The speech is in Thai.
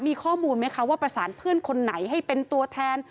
มีข้อมูลไหมคะว่าประสานเพื่อนคนไหนให้เป็นตัวแทน